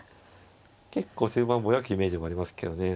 結構終盤ぼやくイメージもありますけどね。